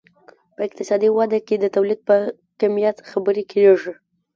په اقتصادي وده کې د تولید په کمیت خبرې کیږي.